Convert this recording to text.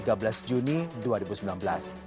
selanjutnya diberikan waktu selama tiga hari